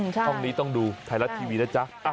ใช่คุณนี้ต้องดูไทยรัตน์ทีวีนะจ๊ะอ่ะ